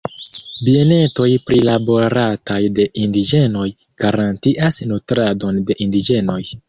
Bienetoj prilaborataj de indiĝenoj garantias nutradon de indiĝenoj.